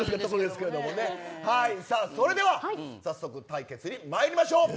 それでは早速対決にまいりましょう。